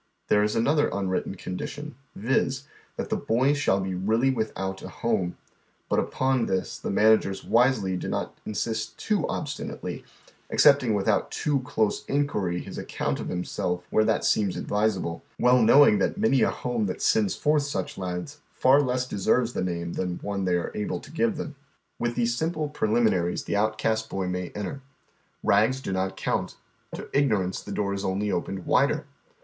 There is another un written condition, viz.: that the boy shall be really without a home ; but upon this the managers wisely do not insist too obstinately, accepting without too close inquiry his account of himself where that seems advisable, well knowing that many a home that sends forth such lads far less deserves the name than the one they are able to give them. Cnnnlr 202 now THE OTHEK HALF LIVEH. Witli tiieae simple pi eliminanes tlie outcast boy may enter. Rags do not count ; to ignorance the door is only opened wider.